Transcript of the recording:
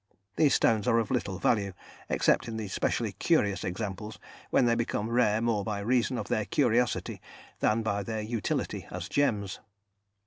These stones are of little value, except in the specially curious examples, when they become rare more by reason of their curiosity than by their utility as gems.